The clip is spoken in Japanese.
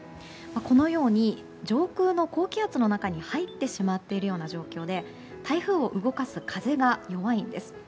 このように上空の高気圧の中に入ってしまっているような状況で台風を動かす風が弱いんです。